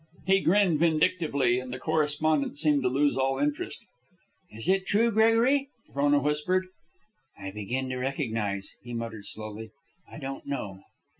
He grinned vindictively, and the correspondent seemed to lose all interest. "Is it true, Gregory?" Frona whispered. "I begin to recognize," he muttered, slowly. "I don't know